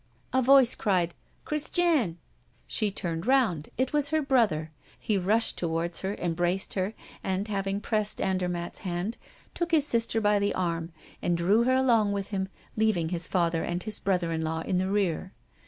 A voice cried: "Christiane!" She turned round. It was her brother. He rushed toward her, embraced her, and, having pressed Andermatt's hand, took his sister by the arm, and drew her along with him, leaving his father and his brother in law in the rear.